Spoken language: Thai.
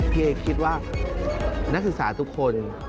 พี่เอคิดว่านักศึกษาทุกคน